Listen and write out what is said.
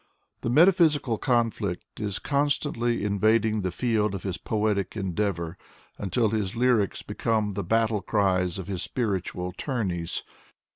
The metaphysical conflict is constantly invading the field of his poetic endeavor, until his lyrics be come the battle cries of his spiritual tourneys.